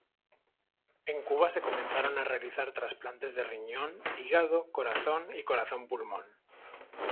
En Cuba se comenzaron a realizar trasplantes de riñón, hígado, corazón y corazón-pulmón.